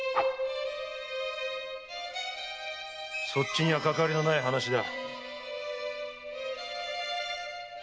そっちにはかかわりのない話だ。